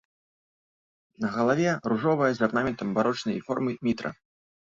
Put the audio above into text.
На галаве ружовая з арнаментам барочнай формы мітра.